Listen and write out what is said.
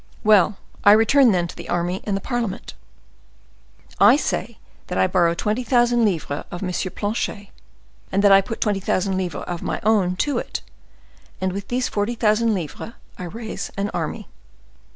"Well, I return, then, to the army and parliament." "I say that I borrow twenty thousand livres of M. Planchet, and that I put twenty thousand livres of my own to it; and with these forty thousand livres I raise an army."